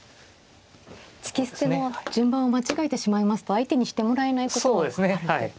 突き捨ても順番を間違えてしまいますと相手にしてもらえないことがあるということで。